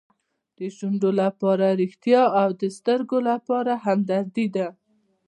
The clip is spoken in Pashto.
د شونډو لپاره ریښتیا او د سترګو لپاره همدردي ده.